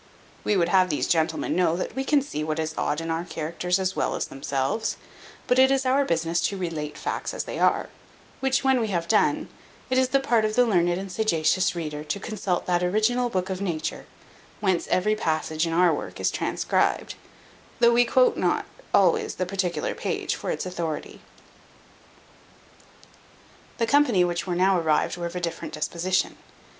We would have these gentlemen know we can see what is odd in characters as well as themselves, but it is our business to relate facts as they are; which, when we have done, it is the part of the learned and sagacious reader to consult that original book of nature, whence every passage in our work is transcribed, though we quote not always the particular page for its authority. The company which now arrived were of a different disposition.